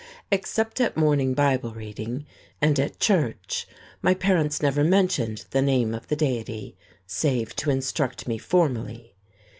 Except at morning Bible reading and at church my parents never mentioned the name of the Deity, save to instruct me formally.